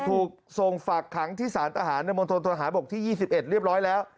ถูกส่งฝากขังที่สารทหารในมณฑนทหารบกที่๒๑เรียบร้อยแล้ว